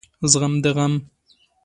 زغم د غم